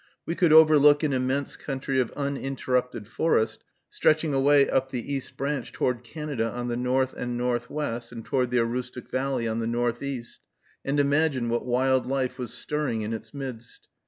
We could overlook an immense country of uninterrupted forest, stretching away up the East Branch toward Canada on the north and northwest, and toward the Aroostook valley on the northeast; and imagine what wild life was stirring in its midst.